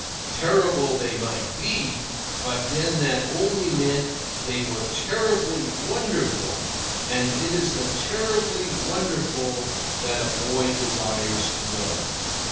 Terrible they might be, but then that only meant they were terribly wonderful, and it is the terribly wonderful that a boy desires to know.